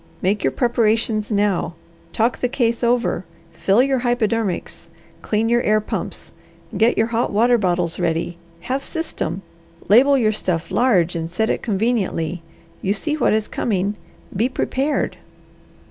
Make your preparations now. Talk the case over. Fill your hypodermics. Clean your air pumps. Get your hot water bottles ready. Have system. Label your stuff large and set it conveniently. You see what is coming, be prepared!"